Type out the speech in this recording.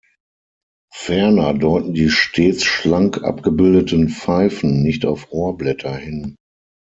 Ferner deuten die stets schlank abgebildeten Pfeifen nicht auf Rohrblätter hin.